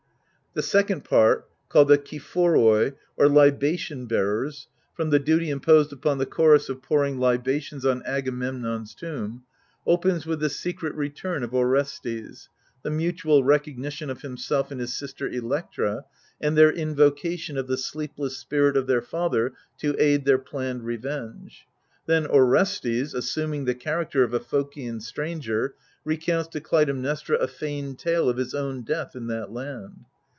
The second part, called the Choephoroi, or Libation' Bearers — ^from the duty imposed upon the chorus of pouring libations on Agamemnon's tomb — opens with the secret return of Orestes, the mutual recognition of himself and his sister Electra, and their invocation of the sleepless spirit of their father to aid their planned revenge. Then Orestes, assuming the character of a Phocian stranger, recounts to Clytem nestra a feigned tale of his own death in that land.